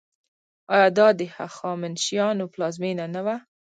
آیا دا د هخامنشیانو پلازمینه نه وه؟